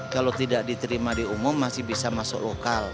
kalau tidak diterima di umum masih bisa masuk lokal